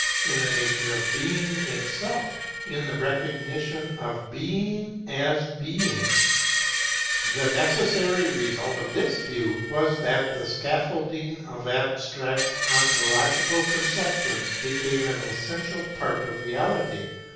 in the nature of Being itself in the recognition of Being as Being (TO ov r\ dv). The necessary result of this view was that the scaffolding of abstract ontological conceptions became an essential part of Reality.